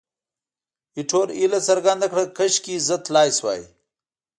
ایټور هیله څرګنده کړه، کاشکې زه تلای شوای.